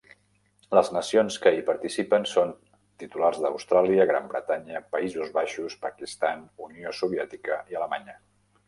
Les nacions que hi participen són: titulars d"Austràlia, Gran Bretanya, Països Baixos, Pakistan, Unió Soviètica i Alemanya.